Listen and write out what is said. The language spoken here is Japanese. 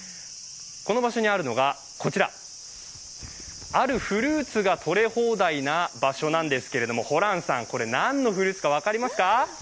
この場所にあるのがこちら、あるフルーツがとれ放題な場所なんですけれども、ホランさん、何のフルーツか分かりますか？